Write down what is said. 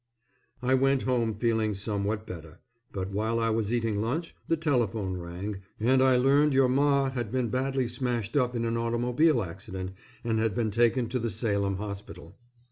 I went home feeling somewhat better, but while I was eating lunch the telephone rang, and I learned your Ma had been badly smashed up in an automobile accident, and had been taken to the Salem Hospital.